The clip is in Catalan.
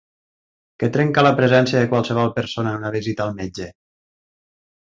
Què trenca la presència de qualsevol persona en una visita al metge?